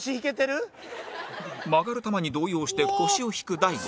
曲がる球に動揺して腰を引く大悟